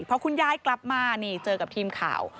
เพราะคุณยายกลับมาเจอกับทีมข่าว